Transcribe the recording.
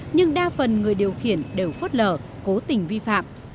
nhưng đa phần người điều khiển đều phớt lờ cố tình vi phạm